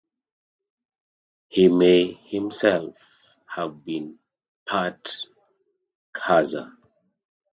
He may himself have been part Khazar.